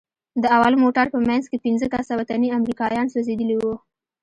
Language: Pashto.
د اول موټر په منځ کښې پينځه کسه وطني امريکايان سوځېدلي وو.